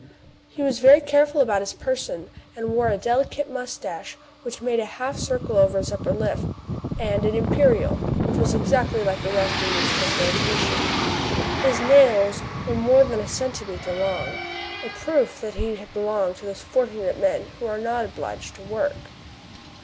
He was very careful about his person, and wore a deli cate mustache, which made a half circle over his upper lip ; and an imperial, which was exactly like a rest in musical notation. His nails were more than a centimetre long, a proof that he belonged to those fortunate men who are not obliged to work.